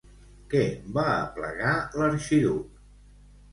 Què va aplegar l'Arxiduc?